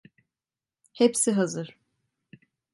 Hepsi hazır.